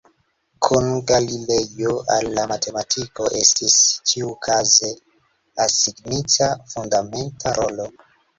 Kun Galilejo al la matematiko estis ĉiukaze asignita fundamenta rolo.